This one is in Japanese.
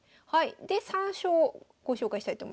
で三将ご紹介したいと思います。